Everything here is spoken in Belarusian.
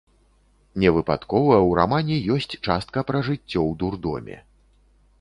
Невыпадкова ў рамане ёсць частка пра жыццё ў дурдоме.